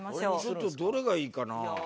ちょっとどれがいいかな？